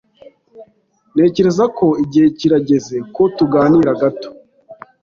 Ntekereza ko igihe kirageze ko tuganira gato.